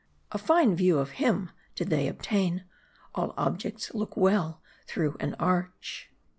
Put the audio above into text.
A fine view of him did they obtain. All objects look well through an arch.